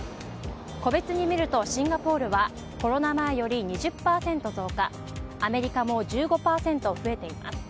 個別に見ると、シンガポールはコロナ前より２０％増加アメリカも、１５％増えています。